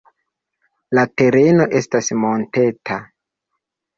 La tereno estas monteta.